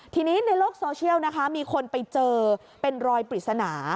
ทีนี้ในโลกโซเชียลนะคะมีคนไปเจอเป็นรอยปริศนา